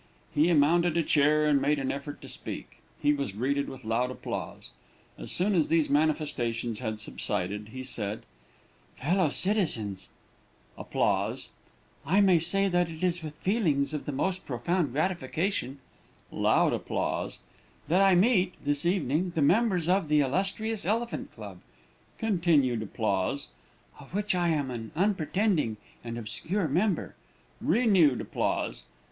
He mounted a chair, and made an effort to speak. He was greeted with loud applause. As soon as these manifestations had subsided, he said: "Fellow citizens; I may say that it is with feelings of the most profound gratification (loud applause), that I meet, this evening, the members of the illustrious Elephant Club (continued applause), of which I am an unpretending and obscure member (renewed applause).